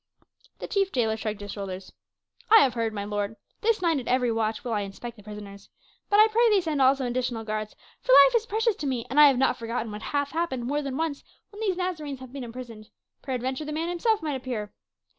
The chief jailer shrugged his shoulders. "I have heard, my lord. This night at every watch will I inspect the prisoners. But I pray thee send also additional guards, for life is precious to me, and I have not forgotten what hath happened more than once when these Nazarenes have been imprisoned; peradventure the man himself might appear."